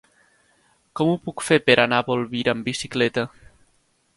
Com ho puc fer per anar a Bolvir amb bicicleta?